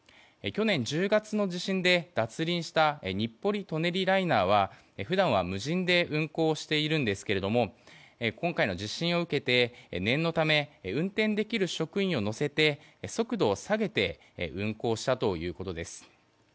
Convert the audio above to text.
去年１０月の地震で脱輪した日暮里・舎人ライナーは普段は無人で運行しているんですが今回の地震を受けて念のため運転できる職員を乗せて速度を下げて運行したということです。